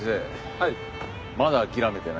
はい？